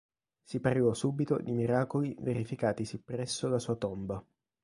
Si parlò subito di miracoli verificatisi presso la sua tomba.